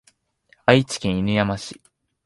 愛知県犬山市